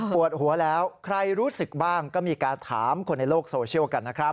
ปวดหัวแล้วใครรู้สึกบ้างก็มีการถามคนในโลกโซเชียลกันนะครับ